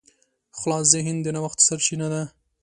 خلاص ذهن د نوښت سرچینه ده.